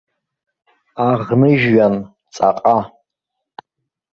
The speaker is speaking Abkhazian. Аӷныжәҩан, ҵаҟа.